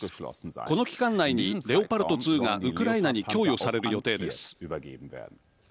この期間内にレオパルト２がウクライナに供与される予定です。